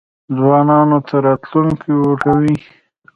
ځوانانو ته راتلونکی ورکوي.